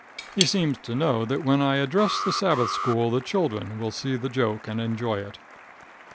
He seems to know that when I address the sabbath school the children will see the joke and enjoy it.